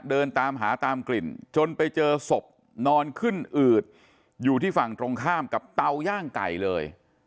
เดินตามหาตามกลิ่นจนไปเจอศพนอนขึ้นอืดอยู่ที่ฝั่งตรงข้ามกับเตาย่างไก่เลย